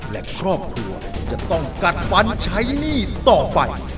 และครอบครัวจะต้องกัดฟันใช้หนี้ต่อไป